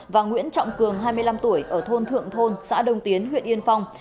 và nguyễn trọng cường hai mươi năm tuổi ở thôn thượng thôn xã đông tiến huyện yên phong